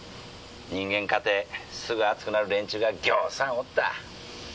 人間かてすぐ熱くなる連中がぎょうさんおった。